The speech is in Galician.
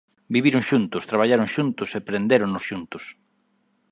Viviron xuntos, traballaron xuntos e prendéronos xuntos.